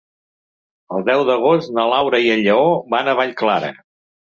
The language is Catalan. El deu d'agost na Laura i en Lleó van a Vallclara.